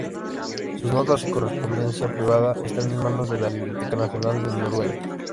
Sus notas y correspondencia privada están en manos de la Biblioteca Nacional de Noruega.